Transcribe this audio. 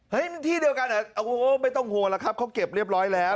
เฮ้ยที่เดียวกันไม่ต้องโหลล่ะครับเขาเก็บเรียบร้อยแล้ว